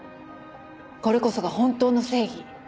これこそが本当の正義。